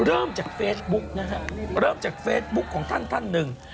เริ่มจากเฟซบุ๊กนะฮะเริ่มจากเฟซบุ๊คของท่านท่านหนึ่ง